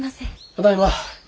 ただいま。